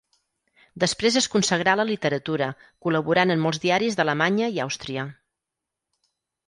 Després es consagrà a la literatura, col·laborant en molts diaris d'Alemanya i Àustria.